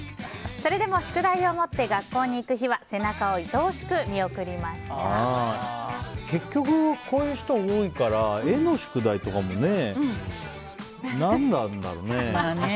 それでも宿題を持って学校に行く日は結局、こういう人多いから絵の宿題とかもね何なんだろうね。